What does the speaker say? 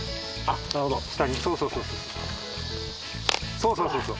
そうそうそうそう！